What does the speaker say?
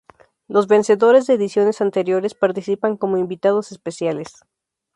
Los vencedores de ediciones anteriores participan como invitados especiales.